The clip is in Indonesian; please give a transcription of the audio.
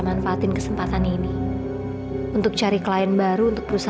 bapak kan gak ngijinin bos keluar bos